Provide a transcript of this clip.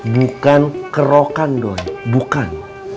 bukan kerokan doi bukan